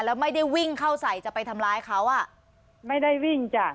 แล้วไม่ได้วิ่งเข้าใส่จะไปทำร้ายเขาอ่ะไม่ได้วิ่งจ้ะ